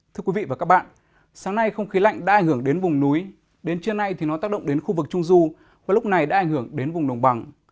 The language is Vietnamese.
thưa quý vị và các bạn sáng nay không khí lạnh đã ảnh hưởng đến vùng núi đến trưa nay thì nó tác động đến khu vực trung du và lúc này đã ảnh hưởng đến vùng đồng bằng